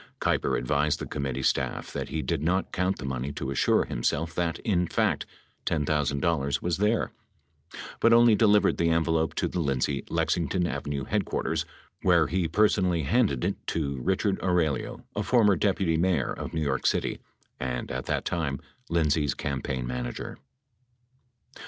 Keiper advised the committee staff that he did not count the money to assure himself that, in fact, $10,000 was there, but only delivered the en velope to the Lindsay Lexington Avenue headquarters where he per sonally handed it to Richard Aurelio, a former deputy mayor of New York City, and at that time Lindsay's campaign manager.